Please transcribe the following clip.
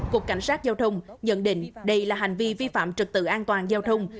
cục cảnh sát giao thông nhận định đây là hành vi vi phạm trật tự an toàn giao thông